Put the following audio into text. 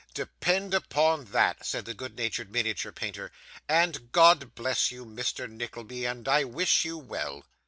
'Depend upon that,' said the good natured miniature painter; 'and God bless you, Mr. Nickleby; and I wish you well.